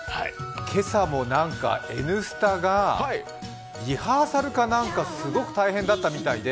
今朝も何かＮスタがリハーサルかなんかすごく大変だったみたいで